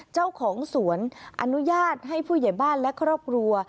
เจ้าของสวนอนุญาตให้ผู้ใหญ่บ้านและครอบครัว